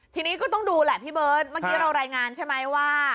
ทีนี้ก็ต้องดูแหละพี่เบิร์ตเมื่อกี้เรารายงานใช่ไหมว่า